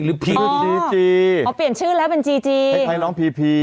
ดูปีนจีจีเอาเปลี่ยนชื่อแล้วเป็นใครร้องพี่พี่